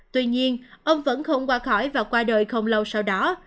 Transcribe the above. tuy nhiên ông vẫn không qua khỏi và qua đời không lâu sau đó